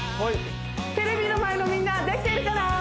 テレビの前のみんなできてるかな？